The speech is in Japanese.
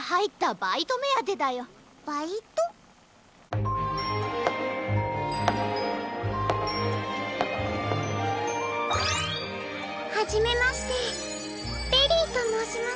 バイト？はじめましてベリーともうします。